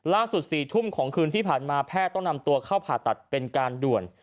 ๔ทุ่มของคืนที่ผ่านมาแพทย์ต้องนำตัวเข้าผ่าตัดเป็นการด่วน